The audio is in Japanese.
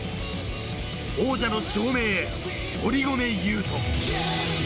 王者の証明へ、堀米雄斗。